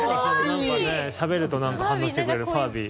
しゃべると反応してくれるファービー。